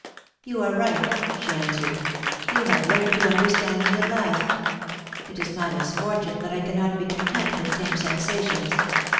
'You are right,' she answered. *You have learned to understand me at last. It is my misfortune that I cannot be content with tame sensations.